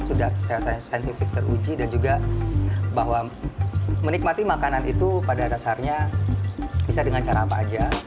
sudah kesehatan saintifik teruji dan juga bahwa menikmati makanan itu pada dasarnya bisa dengan cara apa aja